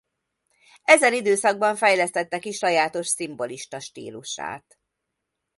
Ezen időszakban fejlesztette ki sajátos szimbolista stílusát.